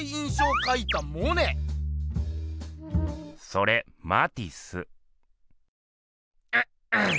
それマティス。